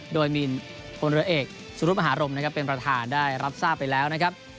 โดยมีพลเรือเอกสุรุธมหารมนะครับเป็นประธานได้รับทราบไปแล้วนะครับ